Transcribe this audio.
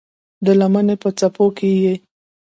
د لمنې په څپو کې یې